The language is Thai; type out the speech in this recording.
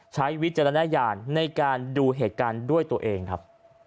วิจารณญาณในการดูเหตุการณ์ด้วยตัวเองครับ